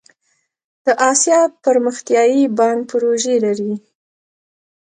د اسیا پرمختیایی بانک پروژې لري